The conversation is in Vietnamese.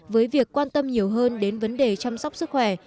với việc quan tâm nhiều hơn đến vấn đề chăm sóc sức khỏe